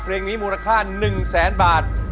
เพลงนี้มูลค่า๑แสนบาท